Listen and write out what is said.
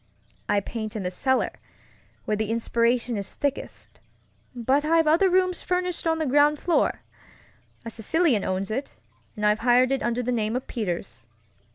I paint in the cellar, where the inspiration is thickest, but I've other rooms furnished on the ground floor. A Sicilian owns it, and I've hired it under the name of Peters.